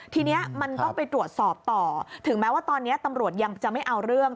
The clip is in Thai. ทีนี้มันต้องไปตรวจสอบต่อถึงแม้ว่าตอนนี้ตำรวจยังจะไม่เอาเรื่อง